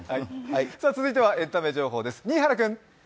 続いてはエンタメ情報です。